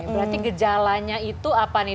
berarti gejalanya itu apa nih